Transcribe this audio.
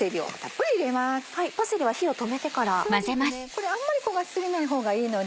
これあんまり焦がし過ぎない方がいいので。